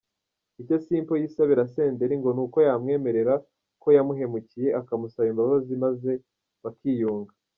Icyo Simple yisabira Senderi ngo ni uko yamwemerera ko yamuhemukiye akamusaba imbabazi maze bakiyunga.